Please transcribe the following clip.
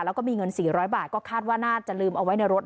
แล้วก็มีเงิน๔๐๐บาทก็คาดว่าน่าจะลืมเอาไว้ในรถ